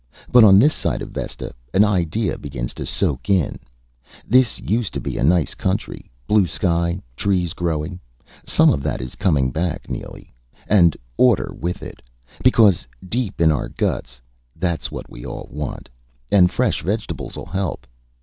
But on this side of Vesta, an idea begins to soak in: This used to be nice country blue sky, trees growing. Some of that is coming back, Neely. And order with it. Because, deep in our guts, that's what we all want. And fresh vegetables'll help....